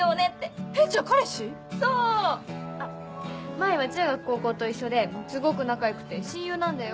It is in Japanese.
麻依は中学高校と一緒ですごく仲良くて親友なんだよ。